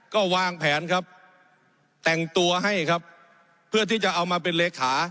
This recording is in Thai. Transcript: ก็วางแผนครับแต่งตัวให้ครับเพื่อที่จะเอามาเป็นเลขา